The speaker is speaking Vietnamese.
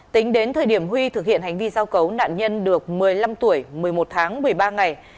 tính đến thời điểm huy thực hiện hành vi giao cấu nạn nhân được một mươi năm tuổi một mươi một tháng một mươi ba ngày